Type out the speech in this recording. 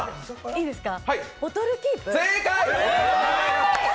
いいですか？